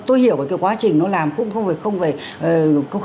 tôi hiểu cái quá trình nó làm cũng không phải